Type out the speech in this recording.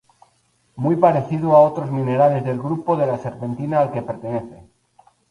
Muy parecido a otros minerales del grupo de la serpentina al que pertenece.